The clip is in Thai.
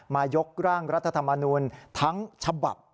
ยกร่างรัฐธรรมนูลทั้งฉบับ